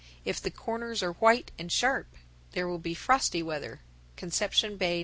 If the corners are white and sharp, there will be frosty weather. _Conception Bay, N.